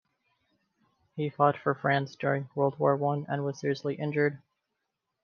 He fought for France during World War One and was seriously injured.